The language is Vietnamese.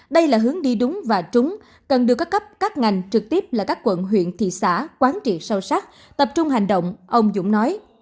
đây là hướng đi đúng và trúng cần được các cấp các ngành trực tiếp là các quận huyện thị xã quán trị sâu sắc tập trung hành động ông dũng nói